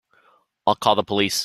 I'll call the police.